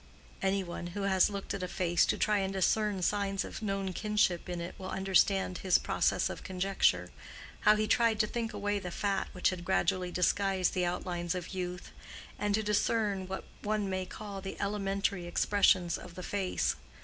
Any one who has looked at a face to try and discern signs of known kinship in it will understand his process of conjecture—how he tried to think away the fat which had gradually disguised the outlines of youth, and to discern what one may call the elementary expressions of the face.